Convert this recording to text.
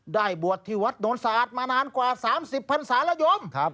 ได้บวชที่วัดโดนสะอาดมานานกว่า๓๐๐๐๐สารโยม